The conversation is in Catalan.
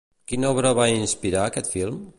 Quina obra va inspirar aquest film?